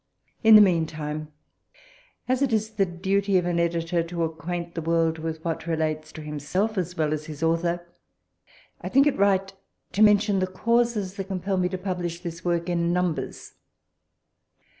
In the mean time, as it is the duty of an editor to acquaint the world with what relates to himself as well as his author, I think it right to mention the causes that compel me to publish this work in numbers.